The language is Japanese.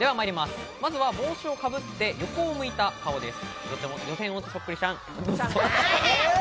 まずは帽子をかぶって、横向いた顔です。